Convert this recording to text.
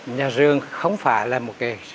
nhà giường không phải là một cái